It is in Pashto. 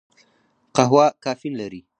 قهوه کافین لري